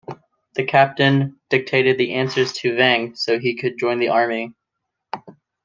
The captain dictated the answers to Vang so he could join the army.